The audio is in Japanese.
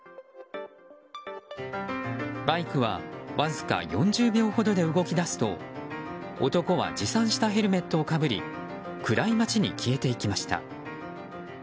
バイクはわずか４０秒ほどで動き出すと男は持参したヘルメットをかぶり暗い街に消えていきました。